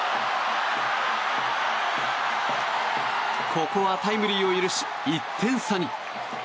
ここはタイムリーを許し１点差に。